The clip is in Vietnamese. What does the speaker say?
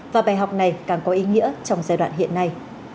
và bài học này càng có ý nghĩa trong giai đoạn hiện nay